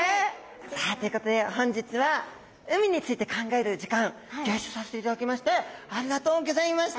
さあということで本日は海について考える時間ギョ一緒させていただきましてありがとうございました。